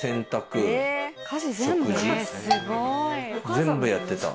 全部やってた。